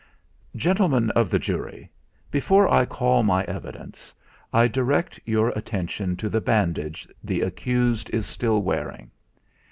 "Gentlemen of the jury, before I call my evidence, I direct your attention to the bandage the accused is still wearing.